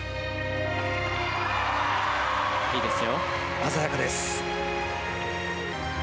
鮮やかです。